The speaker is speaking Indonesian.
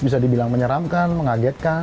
bisa dibilang menyeramkan mengagetkan